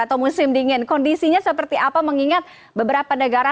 tim dingin kondisinya seperti apa mengingat beberapa negara